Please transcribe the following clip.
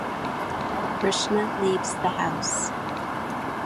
Krishna leaves the house.